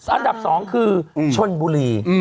อันดับ๒คือชนบุรี